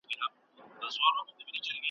درز به واچوي سينو کي ,